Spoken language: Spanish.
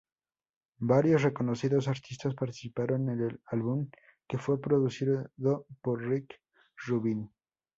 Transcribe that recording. Varios reconocidos artistas participaron en el álbum, que fue producido por Rick Rubin.